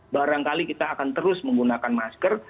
barangkali kita akan terus menggunakan masker